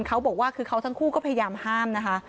เขาบอกว่าคือเขาทั้งคู่ก็พยายามห้ามนะคะ